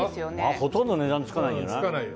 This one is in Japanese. ほとんど値段付かないんじゃない？